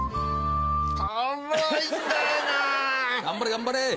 頑張れ頑張れ！